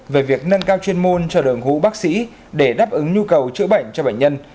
về việc nâng cao chuyên môn cho đội ngũ bác sĩ để đáp ứng nhu cầu chữa bệnh cho bệnh nhân